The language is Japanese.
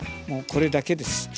もうこれだけです。